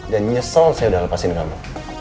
dan nyesel saya sudah lepasin kamu